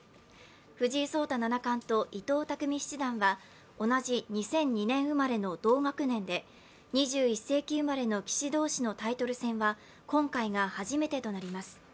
藤井聡太七冠と伊藤匠七段は同じ２００２年生まれの同学年で、２１世紀生まれの棋士同士のタイトル戦は今回が初めてとなります。